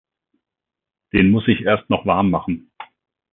Den muß ich erst noch warm machen.